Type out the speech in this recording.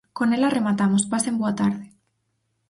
Con ela rematamos, pasen boa tarde!